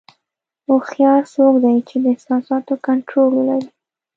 هوښیار څوک دی چې د احساساتو کنټرول ولري.